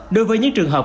đối với những trường hợp